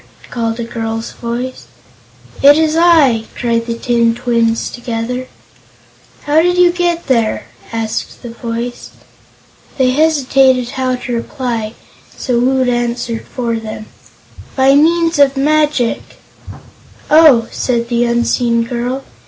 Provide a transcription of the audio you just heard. called a girl's voice. "It's I!" cried the tin twins, together. "How did you get there?" asked the voice. They hesitated how to reply, so Woot answered for them: "By means of magic." "Oh," said the unseen girl.